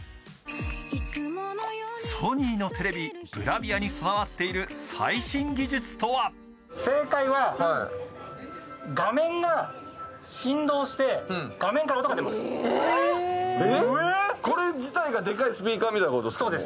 ソニーのテレビ、ブラビアに備わっている最新技術とはこれ自体がでかいスピーカーみたいなこと？